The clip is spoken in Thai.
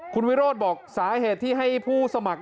คุณวิโรธบอกสาเหตุที่ให้ผู้สมัคร